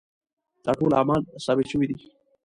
دا ټول اعمال ثابت شوي دي.